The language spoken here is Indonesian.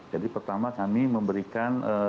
jadi pertama kami memberikan